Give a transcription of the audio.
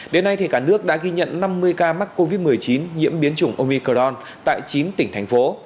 đến nay cả nước đã ghi nhận năm mươi ca mắc covid một mươi chín nhiễm biến chủng omicorn tại chín tỉnh thành phố